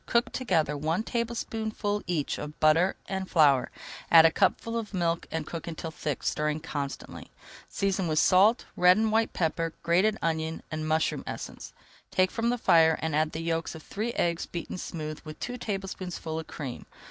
Cook together one tablespoonful each of butter and flour, add a cupful of milk, and cook until thick, stirring constantly. Season with salt, red and white pepper, grated onion, and mushroom essence. Take from the fire, and add the yolks of three eggs beaten smooth with two [Page 285] tablespoonfuls of cream.